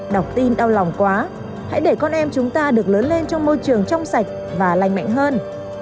đọc tin đau lòng quá hãy để con em chúng ta được lớn lên trong môi trường trong sạch và lành mạnh hơn